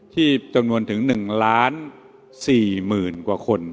ที่จำนวนถึง๑๔๐๐๐กว่าคน